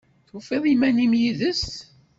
Tufiḍ iman-im yid-s?